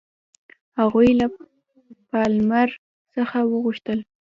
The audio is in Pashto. هغوی له پالمر څخه وغوښتل.